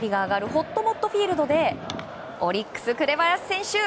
ほっともっとフィールドでオリックス、紅林選手！